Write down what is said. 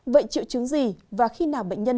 vậy triệu chứng gì và khi nào bệnh nhân